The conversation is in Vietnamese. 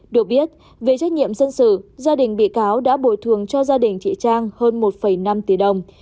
được biết về trách nhiệm dân sự gia đình bị cáo đã bồi thường cho gia đình chị trang hơn một năm tỷ đồng